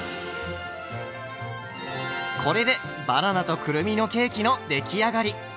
これでバナナとくるみのケーキの出来上がり。